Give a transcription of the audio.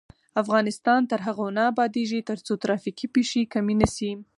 افغانستان تر هغو نه ابادیږي، ترڅو ترافیکي پیښې کمې نشي.